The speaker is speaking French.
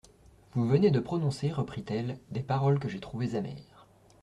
Vous venez de prononcer, reprit-elle, des paroles que j'ai trouvées amères.